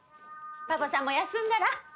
パパさんも休んだら？